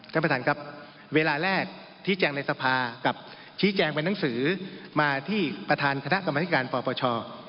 ท่านประธานครับเวลาแรกชี้แจงในสภากับชี้แจงเป็นหนังสือมาที่ประธานคณะกรรมธิการปปช